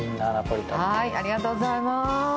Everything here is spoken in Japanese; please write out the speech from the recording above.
ありがとうございます。